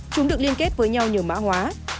chúng được liên kết với nhau nhờ mã hóa